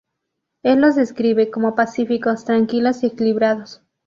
Él los describe como pacíficos, tranquilos y equilibrados.